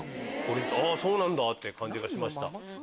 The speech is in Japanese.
あぁそうなんだ！って感じがしました。